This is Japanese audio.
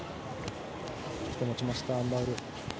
持ちました、アン・バウル。